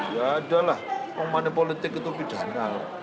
ya ada lah manipolitik itu pidana